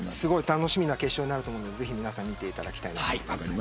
楽しみな決勝になると思うので皆さん、見ていただきたいです。